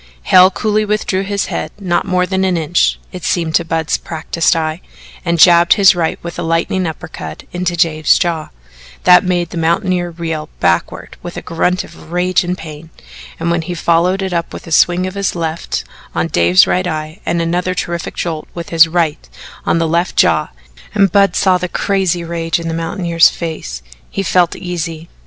Hale coolly withdrew his head not more than an inch, it seemed to Budd's practised eye, and jabbed his right with a lightning uppercut into Dave's jaw, that made the mountaineer reel backward with a grunt of rage and pain, and when he followed it up with a swing of his left on Dave's right eye and another terrific jolt with his right on the left jaw, and Budd saw the crazy rage in the mountaineer's face, he felt easy.